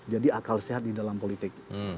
jadi akal sehat di dalam politik